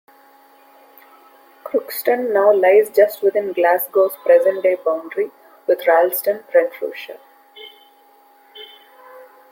Crookston now lies just within Glasgow's present-day boundary with Ralston, Renfrewshire.